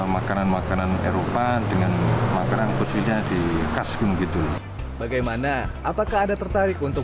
makanan makanan eropa dengan makanan khususnya di kaskum gitu bagaimana apakah anda tertarik untuk